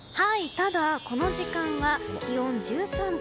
ただこの時間は気温１３度。